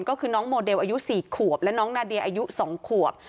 ก็คือน้องโมเดลอายุ๔ขวบและน้องนาเดียอายุ๒ขวบ